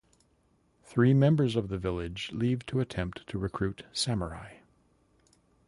Three members of the village leave to attempt to recruit samurai.